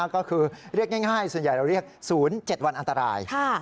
ก็คือเรียกง่ายส่วนใหญ่เราเรียก๐๗วันอันตราย